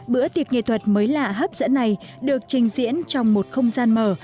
bữa tiệc nghệ thuật mới lạ hấp dẫn này được trình diễn trong một không gian mở